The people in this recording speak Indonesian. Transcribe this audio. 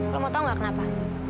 lo mau tau gak kenapa